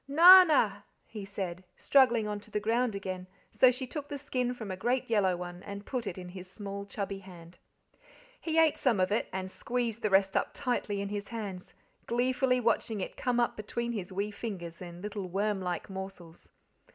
"Narna," he said, struggling onto the ground again; so she took the skin from a great yellow one and put it in his small, chubby hand. He ate some of it, and squeezed the rest up tightly in his hands, gleefully watching it come up between his wee fingers in little worm like morsels.